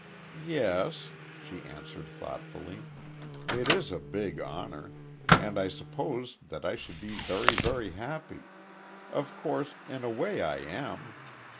"Yes," she answered, thoughtfully. "It is a big honor. And I suppose that I should be very, very happy Of course, in a way, I am."